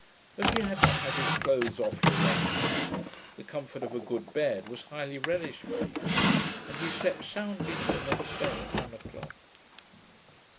As he had not had his clothes off for a long time, the comfort of a good bed was highly relished by him, and he slept soundly till next day at one o'clock.